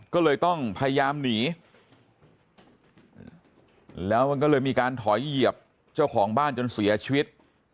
ก็เลยต้องพยายามหนีแล้วมันก็เลยมีการถอยเหยียบเจ้าของบ้านจนเสียชีวิต